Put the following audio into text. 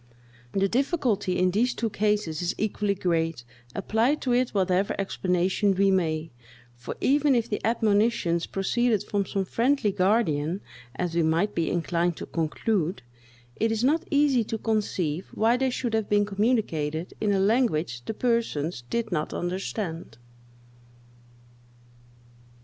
The difficulty in these two cases is equally great, apply to it whatever explanation we may; for even if the admonitions proceeded from some friendly guardian, as we might be inclined to conclude, it is not easy to conceive why they should have been communicated in a language the persons did not understand.